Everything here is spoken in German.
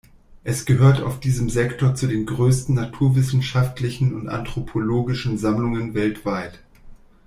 Es gehört auf diesem Sektor zu den größten naturwissenschaftlichen und anthropologischen Sammlungen weltweit.